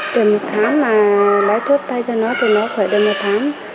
từ một tháng mà lấy thuốc tay cho nó thì nó khỏe được một tháng